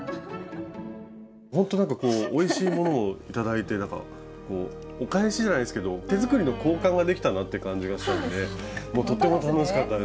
ほんとなんかおいしいものを頂いてなんかお返しじゃないですけど手作りの交換ができたなという感じがしたのでとても楽しかったです。